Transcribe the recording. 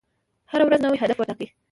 هره ورځ نوی هدف وټاکئ.